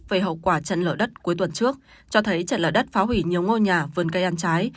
về hậu quả trận lỡ đất cuối tuần trước cho thấy trận lở đất phá hủy nhiều ngôi nhà vườn cây ăn trái